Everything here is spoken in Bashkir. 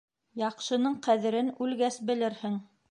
Яҡшының ҡәҙерен, үлгәс, белерһең.